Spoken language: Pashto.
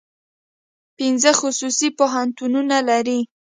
پنځه خصوصي پوهنتونونه لري.